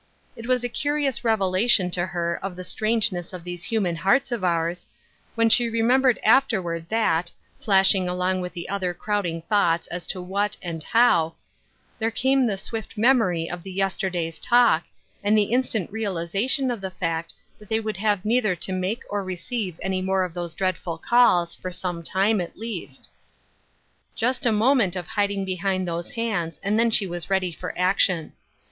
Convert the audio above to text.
It was a curious reve lation to her of the strangeness of these human hearts of ours, when she remembered afterward that, flashing along with the other crowding thoughts as to what, and how, there came the swift memory of the yesterday's talk, and the instant realization of the fact that they would have neither to make nor receive any more of those dreadful calls, for some time, at least. Just a moment of hiding behind those hands and then she was ready for action.